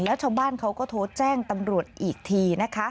แล้วชาวบ้านเขาก็โทรแจ้งตำรวจอีกทีนะคะ